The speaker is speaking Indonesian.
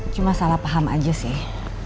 cuma salah paham aja sih